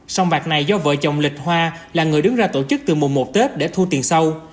sông bạc này do vợ chồng lịch hoa là người đứng ra tổ chức từ mùa một tết để thu tiền sâu